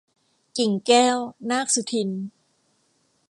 กิ่งแก้ว นาคสุทิน